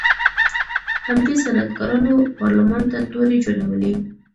همدې صنعتکارانو پارلمان ته تورې جوړولې.